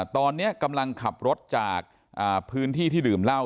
ตอนนี้กำลังขับรถจากพื้นที่ที่ดื่มเหล้า